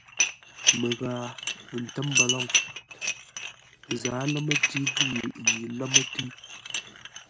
Məghaa, ə́ ntə́m mbəlôŋ. Ə zǎa lámə́-tʉ́ yʉʼ yi lámə́-tʉ́.